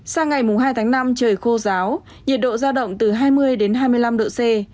sau ngày mùa hai tháng năm trời khô ráo nhiệt độ giao động từ hai mươi hai mươi năm độ c